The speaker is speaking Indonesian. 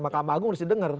makam agung harus didengar